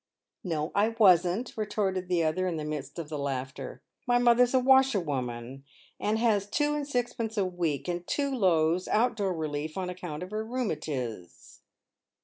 " No I wasn't," retorted the other, in the midst of the laughter. " My mother's a washerwoman, and has two and sixpence a week and two loaves, out door relief, on account of her rheumatiz."